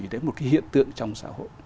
đấy một cái hiện tượng trong xã hội